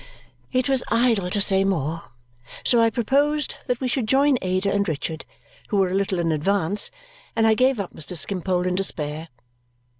It was idle to say more, so I proposed that we should join Ada and Richard, who were a little in advance, and I gave up Mr. Skimpole in despair.